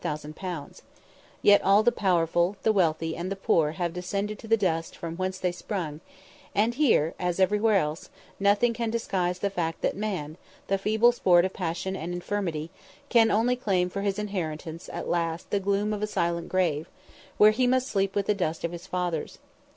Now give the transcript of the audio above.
_ Yet all the powerful, the wealthy, and the poor have descended to the dust from whence they sprung; and here, as everywhere else, nothing can disguise the fact that man, the feeble sport of passion and infirmity, can only claim for his inheritance at last the gloom of a silent grave, where he must sleep with the dust of his fathers.